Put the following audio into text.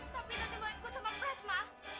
tapi mau ikut sama prasma